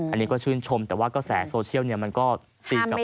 อันนี้ก็ชื่นชมแต่ว่ากระแสโซเชียลมันก็ตีกลับมา